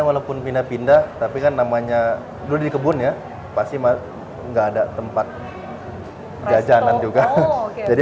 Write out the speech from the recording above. walaupun pindah pindah tapi kan namanya dulu di kebun ya pasti enggak ada tempat jajanan juga jadi